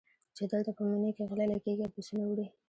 چې دلته په مني کې غله لګېږي او پسونه وړي.